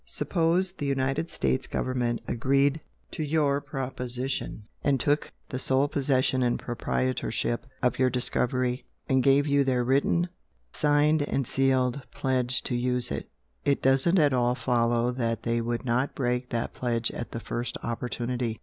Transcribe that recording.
Suppose the United States government agreed to your proposition and took the sole possession and proprietorship of your discovery, and gave you their written, signed and sealed pledge to use it, it doesn't at all follow that they would not break that pledge at the first opportunity.